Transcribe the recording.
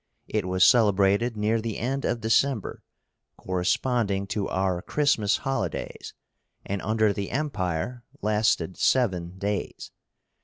It was celebrated near the end of December, corresponding to our Christmas holidays, and under the Empire lasted seven days.